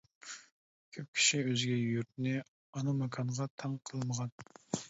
كۆپ كىشى ئۆزگە يۇرتنى، ئانا ماكانغا تەڭ قىلمىغان.